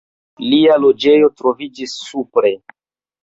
Lia loĝejo troviĝis supre.